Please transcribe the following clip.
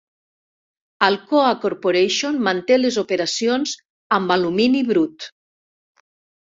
Alcoa Corporation manté les operacions amb alumini brut.